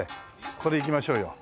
これいきましょうよ。